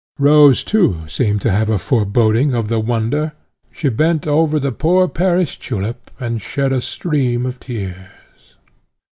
Rose too seemed to have a foreboding of the wonder; she bent over the poor perished tulip, and shed a stream of tears.